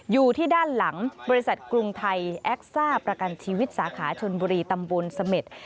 อยู่ที่ด้านหลังบริษัทกรุงไทยแอคซ่าประกันชีวิตสาขาชนบุรีตำบลเสม็ด